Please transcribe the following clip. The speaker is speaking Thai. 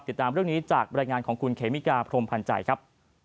ติดตามเรื่องนี้จากบรรยายงานของคุณเขมิกาพรมพันธ์ใจครับ